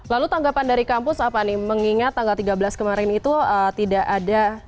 lalu tanggapan dari kampus apa nih mengingat tanggal tiga belas kemarin itu tidak ada